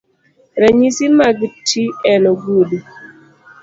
Ranyisi mag ti en ogudu .